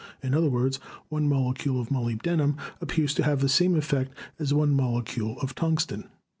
In other words, one molecule of molybdenum appears to have the same effect as one mole cule of tungsten.